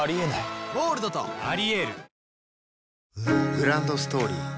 グランドストーリー